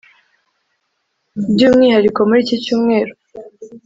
By’umwihariko muri iki cyumweru